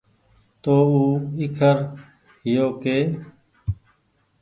تو او ايکرهيو ڪي